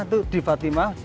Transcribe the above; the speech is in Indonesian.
itu di fatima